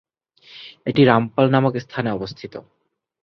এটি রামপাল নামক স্থানে অবস্থিত।